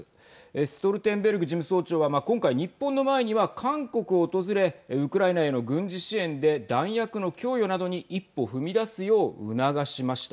ストルテンベルグ事務総長は今回日本の前には韓国を訪れウクライナへの軍事支援で弾薬の供与などに一歩踏み出すよう促しました。